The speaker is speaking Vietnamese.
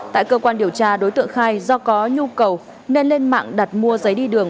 tại cơ quan điều tra đối tượng khai do có nhu cầu nên lên mạng đặt mua giấy đi đường